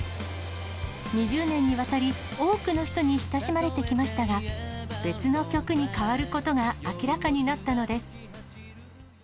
２０年にわたり、多くの人に親しまれてきましたが、別の曲に変わることが明らかになったのです。